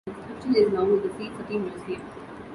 The inscription is now in the SeaCity Museum.